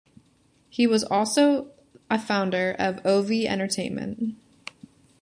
He was also a founder of Ovie Entertainment.